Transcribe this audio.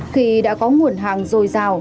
khi đã có nguồn hàng dồi dào